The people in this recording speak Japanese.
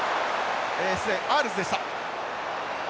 失礼アールズでした。